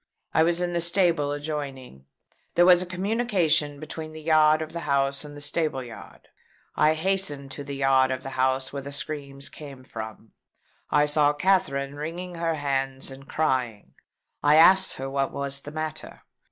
I was in the stable adjoining. There is a communication between the yard of the house and the stable yard. I hastened to the yard of the house where the screams came from. I saw Katherine wringing her hands and crying. I asked her what was the matter?